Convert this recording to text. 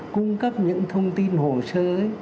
cung cấp những thông tin hồ sơ